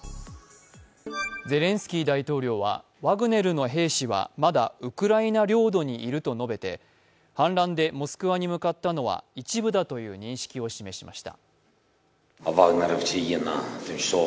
ゼレンスキー大統領はワグネルの兵士はまだウクライナ領土にいると述べて反乱でモスクワに向かったのは一部だという認識を示しました。